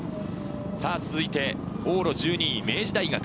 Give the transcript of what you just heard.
さぁ続いて往路１２位・明治大学。